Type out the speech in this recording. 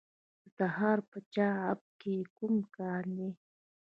د تخار په چاه اب کې کوم کان دی؟